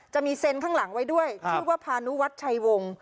จะมีเซ็นข้างหลังไว้ด้วยชื่อว่าพานุวัฒน์ชัยวงศ์